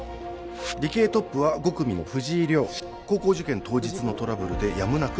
理系トップは５組の藤井遼高校受験当日のトラブルでやむなく